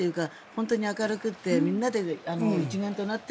本当に明るくて一丸となって。